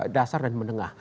dasar dan menengah